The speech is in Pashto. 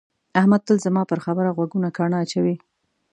احمد تل زما پر خبره غوږونه ګاڼه اچوي.